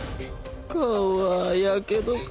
顔はやけどか？